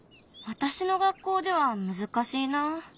私の学校では難しいなあ。